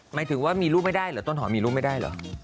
หมายถึงว่ามีลูกไม่ได้เหรอต้นหอมมีลูกไม่ได้เหรอ